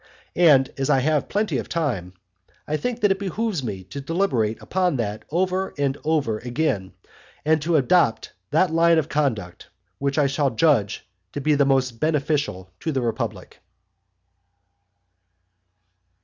And, as I have plenty of time, I think that it behoves me to deliberate upon that over and over again, and to adopt that line of conduct which I shall judge to be most beneficial to the republic.